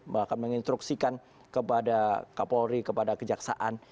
bahkan menginstruksikan kepada kapolri kepada kejaksaan